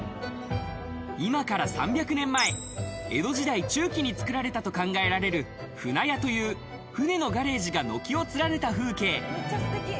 今から３００年前、江戸時代中期に作られたと考えられる舟屋という船のガレージが軒を連ねた風景。